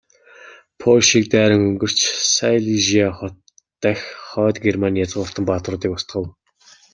Польшийг дайран өнгөрч, Сайлижиа дахь Хойд Германы язгууртан баатруудыг устгав.